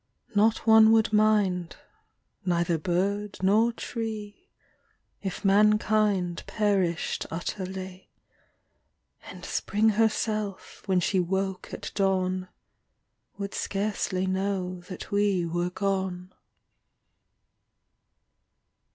Not one would mind, neither bird nor tree If mankind perished utterly; And Spring herself, when she woke at dawn, Would scarcely know that we were gone.